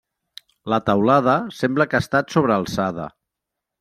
La teulada sembla que ha estat sobre alçada.